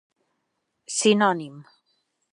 Sinònim: